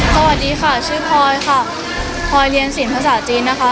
สวัสดีค่ะชื่อพลอยค่ะพลอยเรียนศีลภาษาจีนนะคะ